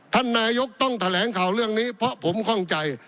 ท่านนายกต้องแถลงข่าวเรื่องนี้เพราะผมข้องใจ